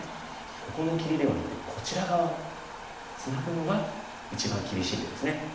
ここの切りではなくてこちら側ツナぐのが一番厳しい手です。